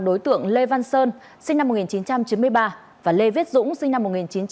đối tượng lê văn sơn sinh năm một nghìn chín trăm chín mươi ba và lê viết dũng sinh năm một nghìn chín trăm tám mươi